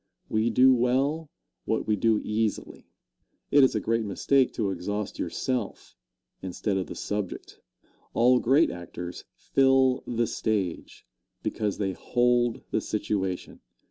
We do well what we do easily. It is a great mistake to exhaust yourself, instead of the subject. All great actors "fill the stage" because they hold the situation.